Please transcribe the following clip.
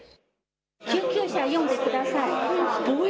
救急車呼んでください。